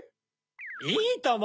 いいとも！